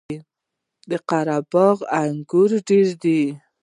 قره باغ انګور ډیر دي؟